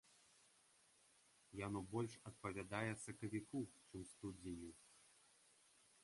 Яно больш адпавядае сакавіку, чым студзеню.